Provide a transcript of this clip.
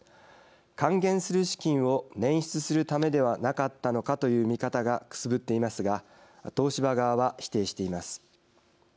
還元する資金を捻出するためではなかったのかという見方がくすぶっていますが東芝側は否定しています。